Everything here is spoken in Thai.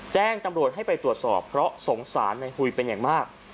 แจ้งตำรวจให้ไปตรวจสอบเพราะสงสารในหุยเป็นอย่างมาก